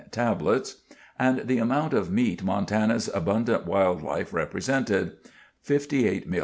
tablets), and the amount of meat Montana's abundant wildlife represented (58,517,725 lbs.